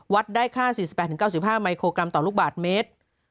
ได้ค่า๔๘๙๕มิโครกรัมต่อลูกบาทเมตร